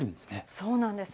そうなんです。